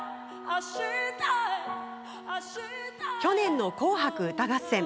去年の「紅白歌合戦」。